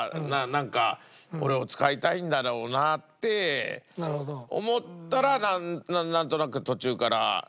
なんか俺を使いたいんだろうなって思ったらなんとなく途中から。